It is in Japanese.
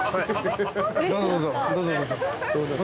どうぞどうぞ。